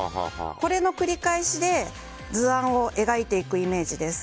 これの繰り返しで図案を描いていくイメージです。